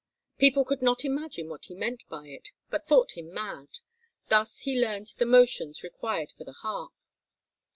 People could not imagine what he meant by it, but thought him mad. Thus he learned the motions required for the harp.